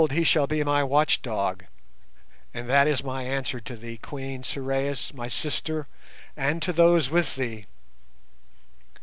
he shall be my watchdog, and that is my answer to thee, Queen Sorais, my sister, and to those with thee.